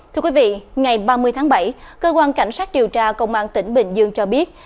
thưa quý vị ngày ba mươi tháng bảy cơ quan cảnh sát điều tra công an tỉnh bình dương cho biết